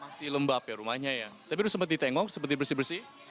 masih lembab ya rumahnya ya tapi udah sempat ditengok seperti bersih bersih